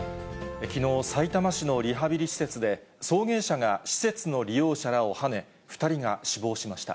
きのう、さいたま市のリハビリ施設で、送迎車が施設の利用者らをはね、２人が死亡しました。